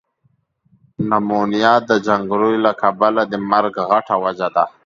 نمونیا ده جنګری له کبله ده مرګ غټه وجه ده۔